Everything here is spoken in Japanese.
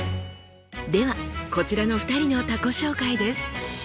ではこちらの２人の他己紹介です。